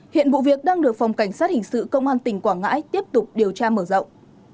hiện vụ việc đang được phòng cảnh sát hình sự công an tỉnh quảng ngãi tiếp tục điều tra mở rộng